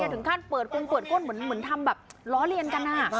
ถึงขั้นเปิดกงเปิดก้นเหมือนทำแบบล้อเลียนกัน